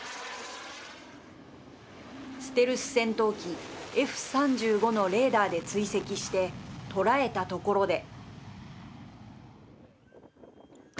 ステルス戦闘機Ｆ３５のレーダーで追跡して捉えたところで。